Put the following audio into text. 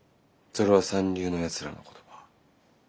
それは三流のやつらの言葉。